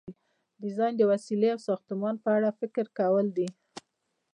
ډیزاین د وسیلې او ساختمان په اړه فکر کول دي.